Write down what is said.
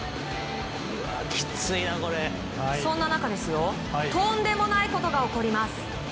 そんな中とんでもないことが起こります。